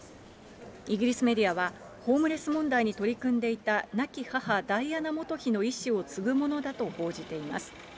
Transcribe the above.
イギリスメディアは、ホームレス問題に取り組んでいた亡き母、ダイアナ元妃の遺志を継ぐものだと報じています。